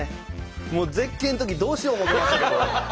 もう絶景のときどうしよう思うてましたけど。